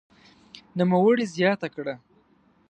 نوموړي زياته کړه